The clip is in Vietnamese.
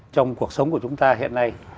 trong cuộc sống của chúng ta hiện nay